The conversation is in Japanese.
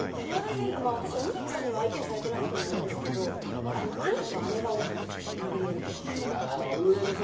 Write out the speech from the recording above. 私、お兄ちゃんには相手にされてなかったんですけどでも兄と姉が多かったです殴り合いとか。